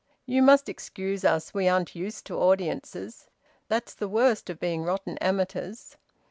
"You must excuse us. We aren't used to audiences. That's the worst of being rotten amateurs."